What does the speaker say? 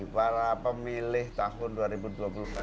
para pemilih tahun dua ribu dua puluh satu kita umumnya